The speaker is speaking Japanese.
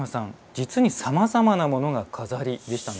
実にさまざまなものが錺でしたね。